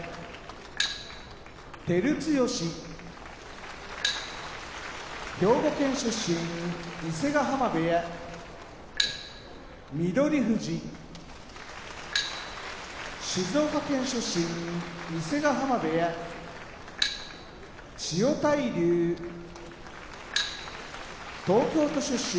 照強兵庫県出身伊勢ヶ濱部屋翠富士静岡県出身伊勢ヶ濱部屋千代大龍東京都出身